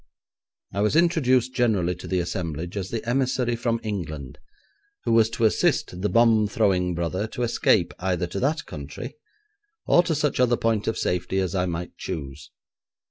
I was introduced generally to the assemblage as the emissary from England, who was to assist the bomb throwing brother to escape either to that country, or to such other point of safety as I might choose.